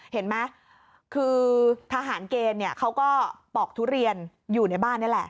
เห็นไหมคือทหารเกณฑ์เขาก็ปอกทุเรียนอยู่ในบ้านนี่แหละ